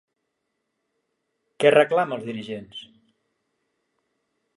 Què reclama als dirigents?